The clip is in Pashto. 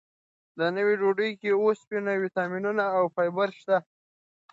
دا نوې ډوډۍ کې اوسپنه، ویټامینونه او فایبر شته.